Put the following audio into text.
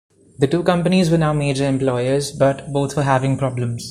The two companies were now major employers, but both were having problems.